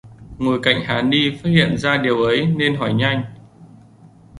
Ngồi cạnh hà ni phát hiện ra điều ấy nên hỏi nhanh